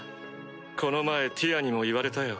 この前ティアにも言われたよ。